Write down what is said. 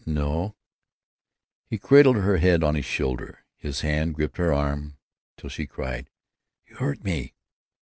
"N no." He cradled her head on his shoulder, his hand gripping her arm till she cried, "You hurt me."